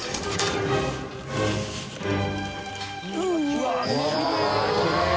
うわっきれい！